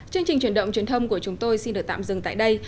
chương trình chuyển động chuyển thông của chúng tôi xin được tạm dừng tại đây